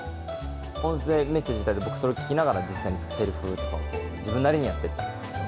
音声メッセージ頂いて、僕、それ聞きながら実際にせりふとかも自分にやってったんですけど。